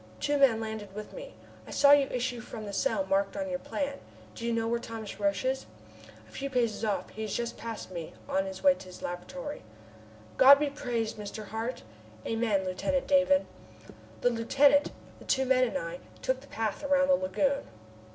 Two men landed with me. I saw you issue from the cell marked on your plan. Do you know where Thomas Roch is?" "A few paces off. He has just passed me, on his way to his laboratory." "God be praised, Mr. Hart!" "Amen, Lieutenant Davon." The lieutenant, the two men and I took the path around the lagoon.